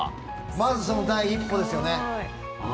まずその第一歩ですよね。